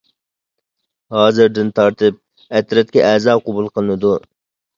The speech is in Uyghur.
ھازىردىن تارتىپ ئەترەتكە ئەزا قوبۇل قىلىنىدۇ.